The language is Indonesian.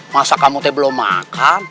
masa kamu belum makan